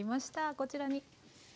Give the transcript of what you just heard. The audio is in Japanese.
こちらに。